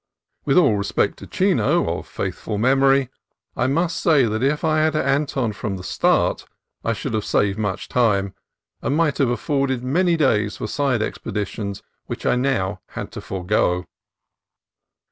With all respect to Chino, of faithful memory, I must say that if I had had Anton from the start, I should have saved much time, and might have afforded CAPE MENDOCINO 291 many days for side expeditions which now I had to forego.